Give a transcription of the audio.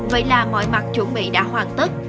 vậy là mọi mặt chuẩn bị đã hoàn tất